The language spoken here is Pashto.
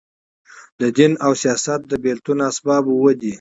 د دین او سیاست د بېلتون اسباب اووه دي.